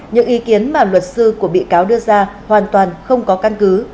những ý kiến mà luật sư của bị cáo đưa ra hoàn toàn không có căn cứ